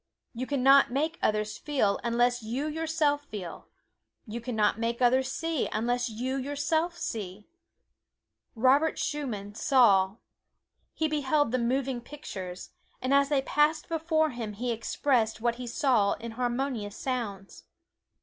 You can not make others feel unless you yourself feel; you can not make others see unless you yourself see. Robert Schumann saw. He beheld the moving pictures, and as they passed before him he expressed what he saw in harmonious sounds.